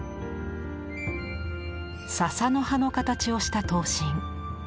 笹の葉の形をした刀身。